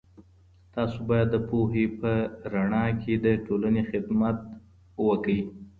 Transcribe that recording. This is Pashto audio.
تاسو بايد د پوهي په رڼا کي د ټولني رښتينی خدمت وکړئ.